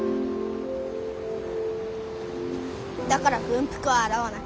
だから軍服は洗わない。